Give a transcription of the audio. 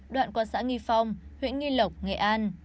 đoạn qua xã nghi phong huyện nghi lộc nghệ an